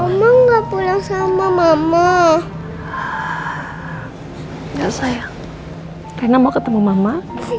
hai omong omong sama mama ya sayang karena mau ketemu mama